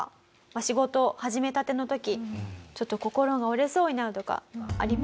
仕事始めたての時ちょっと心が折れそうになるとかあります？